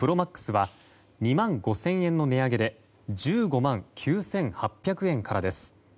ＰｒｏＭａｘは２万５０００円の値上げで１５万９８００円からです。